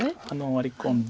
ワリ込んで。